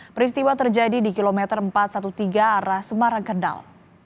peristiwa terjadi di kilometer empat ratus tiga belas arah semarang kendal